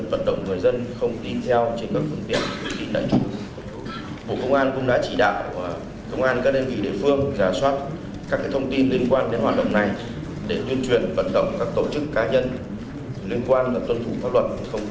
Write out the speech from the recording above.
đại diện cục an ninh đội địa cho biết bộ công an đã chỉ đạo các đơn vị chức năng phối hợp công an các địa phương